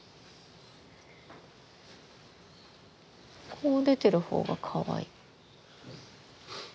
こう出てるほうがかわいい。